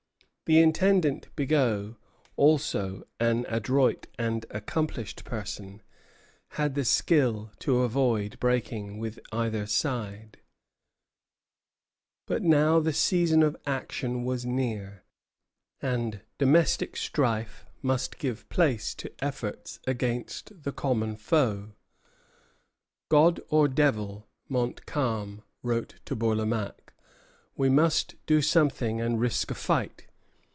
The Intendant Bigot also, an adroit and accomplished person, had the skill to avoid breaking with either side. Événements de la Guerre en Canada, 1759, 1760. But now the season of action was near, and domestic strife must give place to efforts against the common foe. "God or devil!" Montcalm wrote to Bourlamaque, "we must do something and risk a fight.